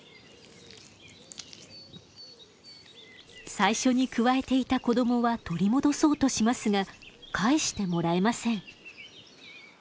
最初にくわえていた子供は取り戻そうとしますが返してもらえません。